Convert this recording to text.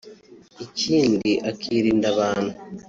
Ikindi akirinda abantu